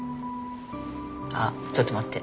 あっちょっと待って。